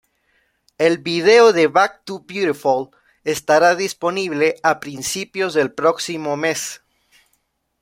El video de "Back to Beautiful" estará disponible a principios del próximo mes.